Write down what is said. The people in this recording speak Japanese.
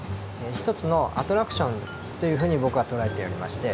一つのアトラクションというふうに僕は捉えておりまして。